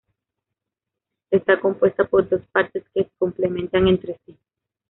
Está compuesta por dos partes que se complementan entre sí.